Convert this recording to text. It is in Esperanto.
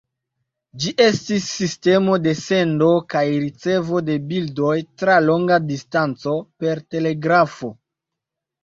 Ĝi estis sistemo de sendo kaj ricevo de bildoj tra longa distanco, per telegrafo.